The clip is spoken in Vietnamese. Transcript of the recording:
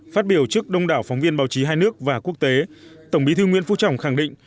phát biểu trước đông đảo phóng viên báo chí hai nước và quốc tế tổng bí thư nguyễn phú trọng khẳng định